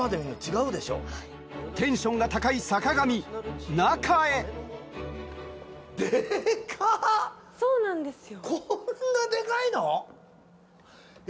テンションが高い坂上中へそうなんですよ。